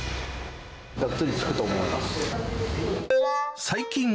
がっつりつくと思います。